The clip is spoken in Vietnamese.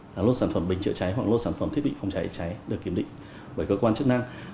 là lô sản phẩm bình chữa cháy hoặc lô sản phẩm thiết bị phòng cháy cháy được kiểm định bởi cơ quan chức năng